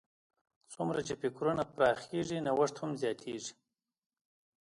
څومره چې فکرونه پراخېږي، نوښت هم زیاتیږي.